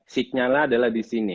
signalnya adalah di sini